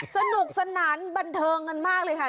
สนุกสนานบันเทิงกันมากเลยค่ะ